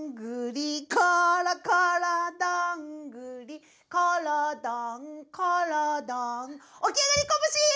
「ころころどんぐり」「ころどんころどん」「おきあがりこぼしー」